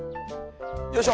よいしょ。